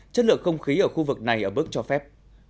chất lượng không khí ở khu vực này ở mức cho phép